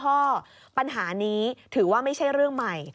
ข้อปัญหานี้ถือว่าไม่ใช่เรื่องใหม่